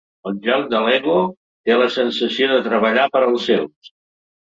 Al joc de L'Ego té la sensació de treballar per als seus.